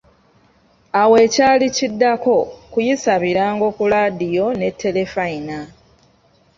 Awo ekyali kiddako, kuyisa birango ku laadiyo ne terefayina.